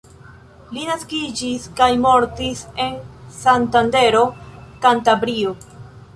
Li naskiĝis kaj mortis en Santandero, Kantabrio.